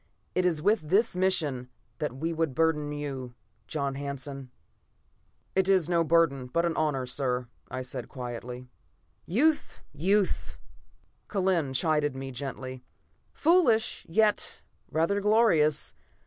It is with this mission that we would burden you, John Hanson." "It is no burden, but an honor, sir," I said quietly. "Youth! Youth!" Kellen chided me gently. "Foolish, yet rather glorious.